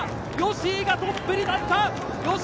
吉居がトップに立った。